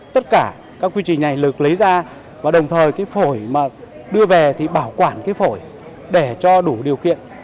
tất cả các quy trình này lực lấy ra và đồng thời cái phổi mà đưa về thì bảo quản cái phổi để cho đủ điều kiện